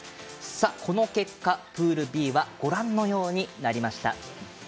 この結果プールＢはご覧のようになりました。